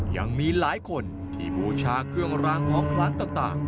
ยังมีหลายคนที่บูชาเครื่องรางของคล้างต่าง